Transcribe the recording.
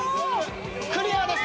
クリアです。